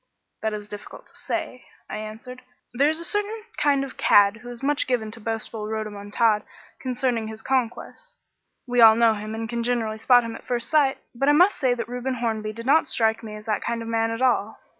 "That is very difficult to say," I answered. "There is a certain kind of cad who is much given to boastful rhodomontade concerning his conquests. We all know him and can generally spot him at first sight, but I must say that Reuben Hornby did not strike me as that kind of man at all.